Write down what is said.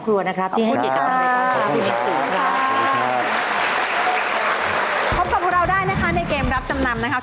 ชื่อลูกสาวรึยังลูกสาว